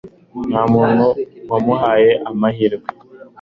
ntamuntu wamuhaye amahirwe